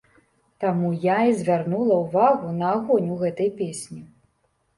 Таму я і звярнула ўвагу на агонь у гэтай песні.